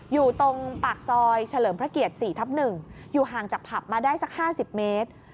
อยู่ตรงปากซอยเฉลิมพระเกียรติ๔ทับ๑อยู่ห่างจากผับมาได้สัก๕๐เมตร